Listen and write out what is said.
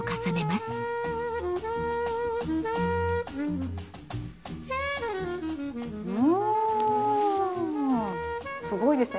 すごいですね。